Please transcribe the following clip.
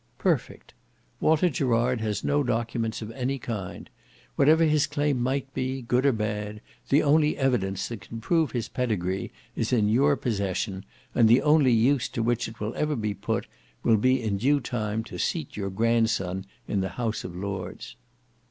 "Perfect. Walter Gerard has no documents of any kind. Whatever his claim might be, good or bad, the only evidence that can prove his pedigree is in your possession and the only use to which it ever will be put, will be in due time to seat your grandson in the House of Lords."